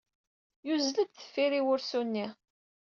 Yuzzel-d deffir-i wursu-nni.